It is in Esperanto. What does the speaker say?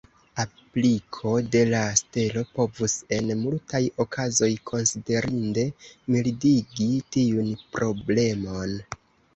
Apliko de la stelo povus en multaj okazoj konsiderinde mildigi tiun problemon.